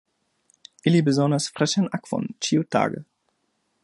Ili bezonas freŝan akvon ĉiutage.